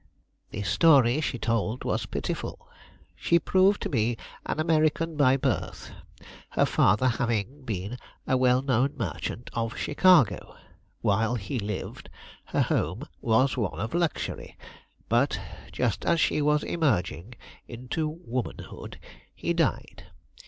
The story she told was pitiful. She proved to be an American by birth, her father having been a well known merchant of Chicago. While he lived, her home was one of luxury, but just as she was emerging into womanhood he died.